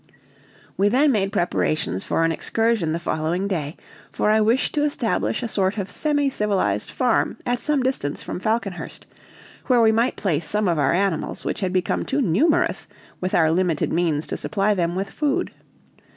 We then made preparations for an excursion the following day, for I wished to establish a sort of semi civilized farm at some distance from Falconhurst, where we might place some of our animals, which had become too numerous with our limited means to supply them with food.